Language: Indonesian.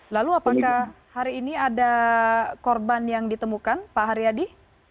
lalu apakah hari ini ada korban yang ditemukan pak haryadi